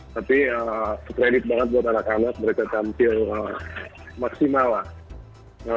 tapi kredit banget buat anak anak mereka tampil maksimal lah